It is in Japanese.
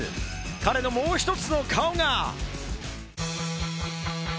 彼のもう１つの顔が。